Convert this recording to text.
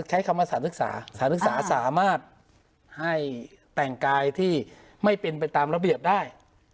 ใช้คำว่าสารศึกษาสารศึกษาสามารถให้แต่งกายที่ไม่เป็นไปตามระเบียบได้